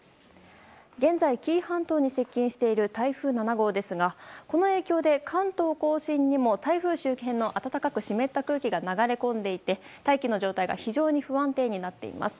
現在、紀伊半島に接近している台風７号ですがこの影響で、関東・甲信にも台風周辺の暖かく湿った空気が流れ込んでいて大気の状態が非常に不安定になっています。